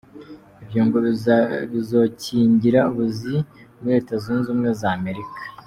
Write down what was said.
Ivyo ngo bizokingira ubuzi muri Leta zunze Ubumwe za Amerika.